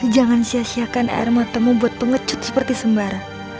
jangan sia siakan air matemu buat pengecut seperti sembar